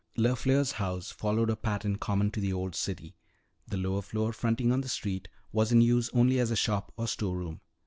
LeFleur's house followed a pattern common to the old city. The lower floor fronting on the street was in use only as a shop or store room.